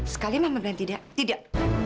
sekali mama bilang tidak tidak